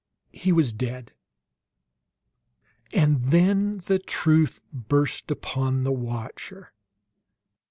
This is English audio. He was dead! And then the truth burst upon the watcher.